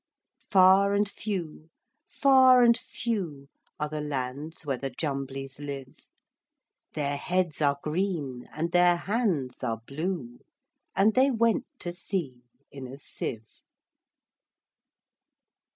Far and few, far and few, Are the lands where the Jumblies live:Their heads are green, and their hands are blue; And they went to sea in a sieve.